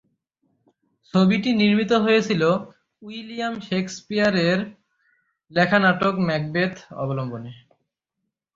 ছবিটি নির্মিত হয়েছিল উইলিয়াম শেকসপিয়রের লেখা নাটক "ম্যাকবেথ" অবলম্বনে।